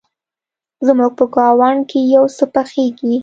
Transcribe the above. زموږ په ګاونډ کې يو څه پیښیږي